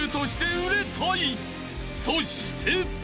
［そして］